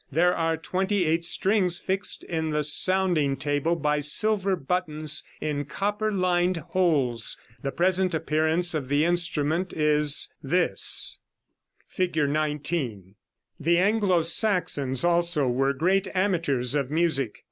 There are twenty eight strings fixed in the sounding table by silver buttons in copper lined holes. The present appearance of the instrument is this: [Illustration: Fig. 19.] The Anglo Saxons also were great amateurs of music.